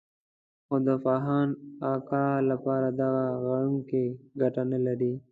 خو د فخان اکا لپاره دغه غړانګې ګټه نه لري.